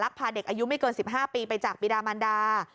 พาเด็กอายุไม่เกิน๑๕ปีไปจากปีดามันดา